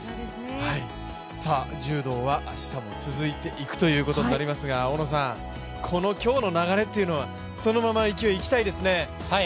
柔道は明日も続いていくことになりますが、この今日の流れっていうのはそのまま勢い、いきたいですね。